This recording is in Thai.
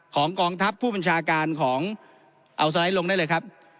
กองทัพผู้บัญชาการของเอาสไลด์ลงได้เลยครับ